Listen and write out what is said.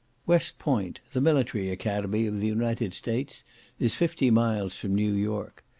West Point, the military academy of the United States, is fifty miles from New York.